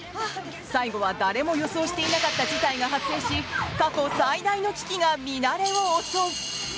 最後は誰も予想していなかった事態が発生し過去最大の危機がミナレを襲う。